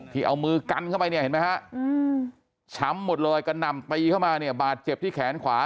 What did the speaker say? ที่เอามือกันเข้าไปเนี่ยเห็นมั้ยครับช้ำหมดเลยก็นำไปเข้ามาเนี่ยบาดเจ็บที่แขนขวา